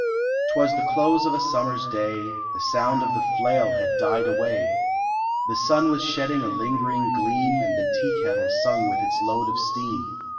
Twas the close of a summer s da} 7 , The sound of the flail had died away, The sun was shedding a lingering gleam And the tea kettle sung with its load of steam.